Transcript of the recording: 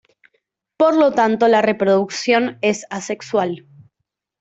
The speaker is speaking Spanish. Por lo tanto la reproducción es asexual.